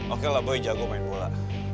oke lah boy jago main bola